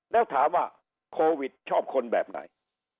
แล้วถามว่าโควิดชอบคนแบบไหน